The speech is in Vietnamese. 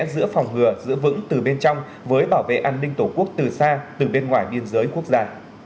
giữa phòng ngừa giữ vững từ bên trong với bảo vệ an ninh tổ quốc từ xa từ bên ngoài biên giới quốc gia